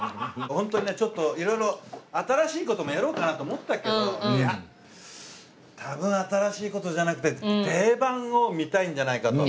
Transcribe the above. ホントにねちょっと色々新しい事もやろうかなと思ったけどいや多分新しい事じゃなくて定番を見たいんじゃないかと。